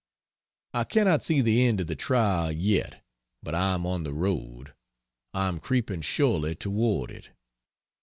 I cannot see the end of the Trial yet, but I am on the road. I am creeping surely toward it.